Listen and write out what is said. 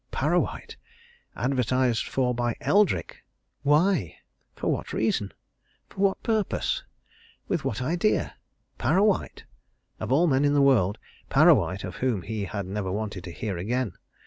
Parrawhite! Advertised for by Eldrick! Why? For what reason? For what purpose? With what idea? Parrawhite! of all men in the world Parrawhite, of whom he had never wanted to hear again!